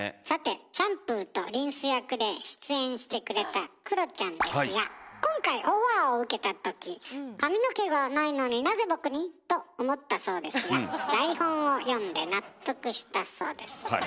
さてシャンプーとリンス役で出演してくれたクロちゃんですが今回オファーを受けたとき「髪の毛がないのになぜ僕に？」と思ったそうですが台本を読んで納得したそうです。